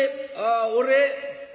「ああ俺」。